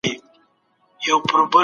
انگلیسان شا شول